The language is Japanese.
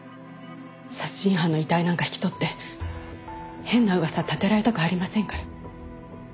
殺人犯の遺体なんか引き取って変な噂立てられたくありませんから。